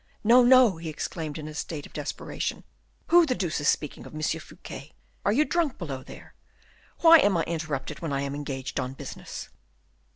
"No, no," he exclaimed in a state of desperation, "who the deuce is speaking of M. Fouquet? are you drunk below there? why am I interrupted when I am engaged on business?"